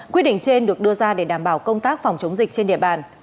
quyết định trên được đưa ra để đảm bảo công tác phòng chống dịch trên địa bàn